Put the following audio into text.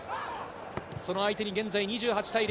その相手に現在２８対０。